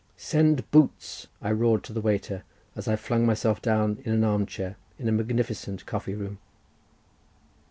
"Send boots!" I roared to the waiter, as I flung myself down in an arm chair in a magnificent coffee room.